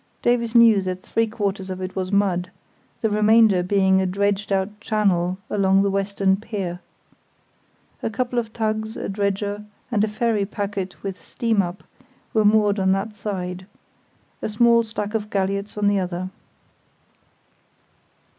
Davies knew that three quarters of it was mud, the remainder being a dredged out channel along the western pier. A couple of tugs, a dredger, and a ferry packet with steam up, were moored on that side—a small stack of galliots on the other.